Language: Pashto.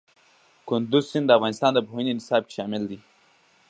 کندز سیند د افغانستان د پوهنې نصاب کې شامل دي.